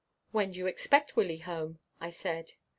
"When do you expect Willie home?" I said.